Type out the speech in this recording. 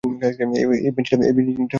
– এই বেঞ্চিটা লম্বায় কত হইবে?